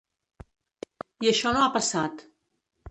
I això no ha passat.